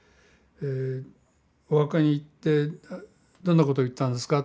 「お墓に行ってどんなことを言ったんですか？」